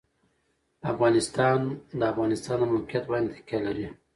افغانستان په د افغانستان د موقعیت باندې تکیه لري.